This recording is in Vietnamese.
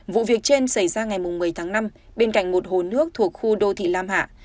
vụ việc trên xảy ra ngày một mươi tháng năm bên cạnh một hồ nước thuộc khu đô thị lam hạ